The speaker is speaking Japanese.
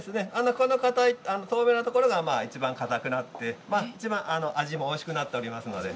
この透明なところがいちばんかたくなっていて味もおいしくなっております。